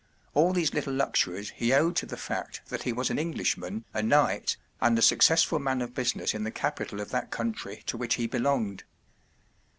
All these little luxuries he owed to the fact that he was an Englishman, a knight, and a successful man of business in the capital of that country to which he belonged.